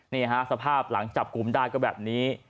นี่ฮะสภาพหลังจับกลุ่มได้ก็แบบนี้